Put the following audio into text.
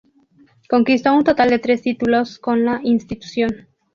Conquistó un total de tres títulos con la institución.